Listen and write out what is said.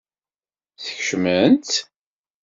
Skecmen-tt?